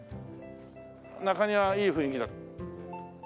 中庭いい雰囲気だ。